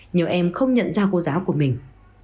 nhiều em không nhận ra cô giáo của mình